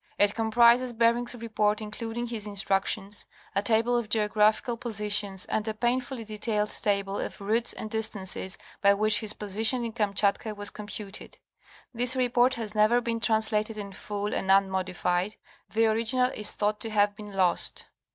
It comprises Bering's report including his instructions, a table of geographical positions, and a painfully detailed table of routes and distances by which his position in Kamchatka was computed. This report has never been translated in full and unmodified, the orig inal is thought to have been lost.